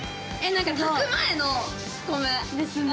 何か炊く前の米。ですね。